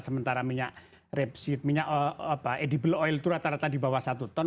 sementara minyak rapsi minyak edible oil itu rata rata di bawah satu ton